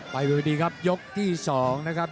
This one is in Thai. ไปดูดีครับยกที่๒นะครับ